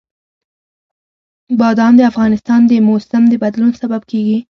بادام د افغانستان د موسم د بدلون سبب کېږي.